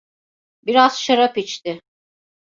Biraz şarap içti.